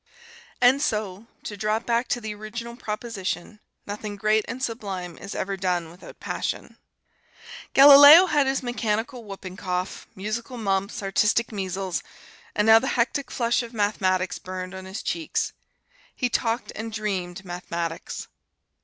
And so, to drop back to the original proposition, nothing great and sublime is ever done without passion. Galileo had his mechanical whooping cough, musical mumps, artistic measles, and now the hectic flush of mathematics burned on his cheeks. He talked and dreamed mathematics.